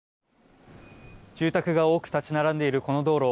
住宅が多く立ち並んでいるこの道路。